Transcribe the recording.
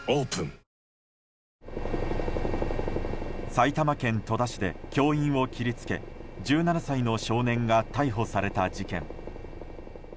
埼玉県戸田市で教員を切りつけ１７歳の少年が逮捕された事件。